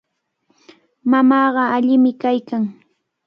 Mamaaqa allimi kaykan.